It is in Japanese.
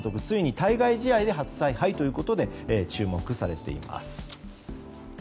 ついに対外試合で初采配ということで注目されています。